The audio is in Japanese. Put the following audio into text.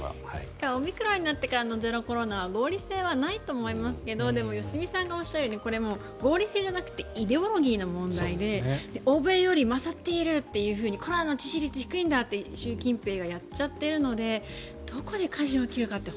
オミクロンになってからのゼロコロナは合理性はないと思いますけどでも良純さんがおっしゃるようにこれ合理性じゃなくてイデオロギーの問題で欧米より勝っているっていうふうにコロナの致死率低いんだって習近平がやっちゃっているのでどこでかじを切るかって